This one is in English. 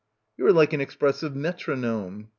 "You are like an expressive metronome."